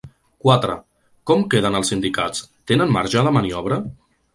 Quatre-Com queden els sindicats, tenen marge de maniobra?